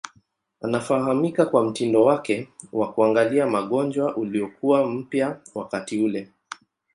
Anafahamika kwa mtindo wake wa kuangalia magonjwa uliokuwa mpya wakati ule.